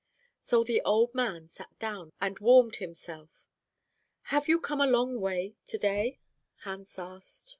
"So the old man sat down and warmed himself. "'Have you come a long way to day?' Hans said.